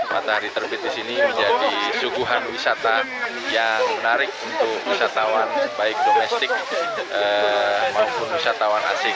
matahari terbit di sini menjadi suguhan wisata yang menarik untuk wisatawan baik domestik maupun wisatawan asing